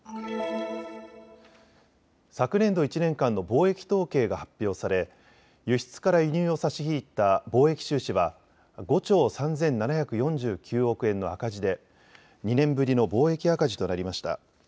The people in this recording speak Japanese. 昨年度１年間の貿易統計が発表され輸出から輸入を差し引いた貿易収支は５兆３７４９億円の赤字で２年ぶりの貿易赤字となりました。